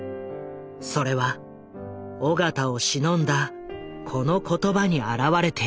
それは緒方をしのんだこの言葉に表れている。